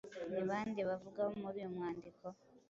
Ni ba nde bavugwa muri uyu mwandiko?